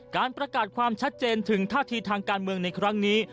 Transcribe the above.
การประกาศความชัดเจนถึงท่าทีทางการเมืองในครั้งนี้